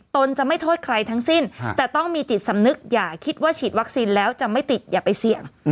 ตนจะไม่โทษใครทั้งสิ้นแต่ต้องมีจิตสำนึกอย่าคิดว่าฉีดวัคซีนแล้วจะไม่ติดอย่าไปเสี่ยง